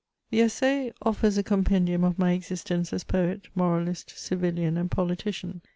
The Essai offers a compendium of my existence as poet, moralist^ civilian, and politician.